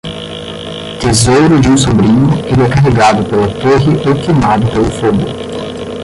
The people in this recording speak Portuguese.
Tesouro de um sobrinho, ele é carregado pela torre ou queimado pelo fogo.